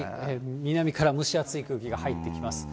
南から蒸し暑い空気が入ってきます。